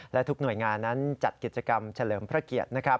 และทุกหน่วยงานนั้นจัดกิจกรรมเฉลิมพระเกียรตินะครับ